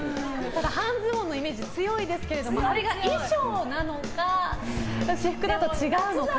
半ズボンのイメージが強いですけれどもあれが衣装なのか私服だと違うのか。